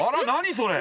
それ。